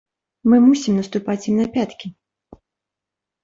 Мы мусім наступаць ім на пяткі.